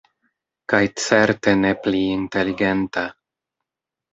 Kaj certe ne pli inteligenta.